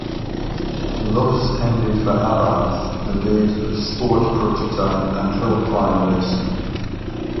Thus ended for Abarth the days of sport prototype and hill climb racing.